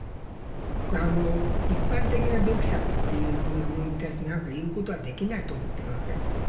あの一般的な読者っていうふうなものに対して何か言うことはできないと思ってるわけ。